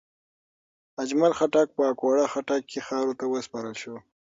اجمل خټک په اکوړه خټک کې خاورو ته وسپارل شو.